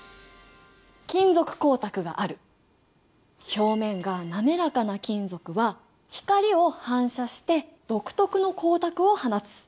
表面が滑らかな金属は光を反射して独特の光沢を放つ。